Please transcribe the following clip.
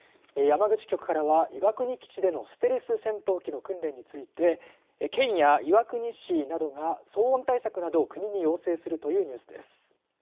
山口局からは、岩国基地でのステルス戦闘機の訓練について県や岩国市などが騒音対策などを国に要請するというニュースです。